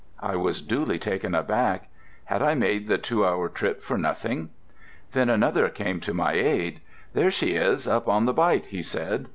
I was duly taken aback. Had I made the two hour trip for nothing? Then another came to my aid. "There she is, up in the bight," he said.